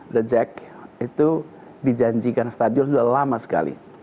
the jack itu dijanjikan stadion sudah lama sekali